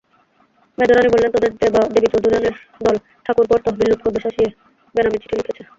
মেজোরানী বললেন, তোদের দেবীচৌধুরানীর দল ঠাকুরপোর তহবিল লুঠ করবে শাসিয়ে বেনামি চিঠি লিখেছে।